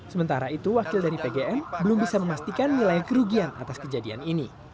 sementara itu wakil dari pgn belum bisa memastikan nilai kerugian atas kejadian ini